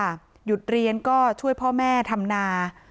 หยุดเรียนก็ช่วยพ่อแม่ทำนา